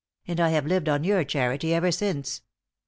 "And I have lived on your charity ever since!"